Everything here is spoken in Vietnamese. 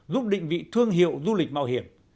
giúp định vị thương hiệu du lịch mạo hiểm